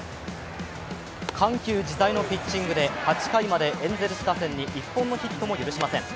緩急自在のピッチングで８回までエンゼルス打線に１本のヒットも許しません。